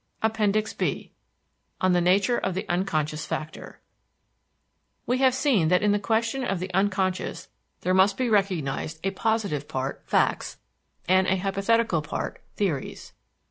APPENDIX B ON THE NATURE OF THE UNCONSCIOUS FACTOR We have seen that in the question of the unconscious there must be recognized a positive part facts, and an hypothetical part theories.